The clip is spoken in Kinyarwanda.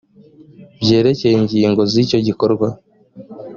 byerekeye ingingo z icyo gikorwa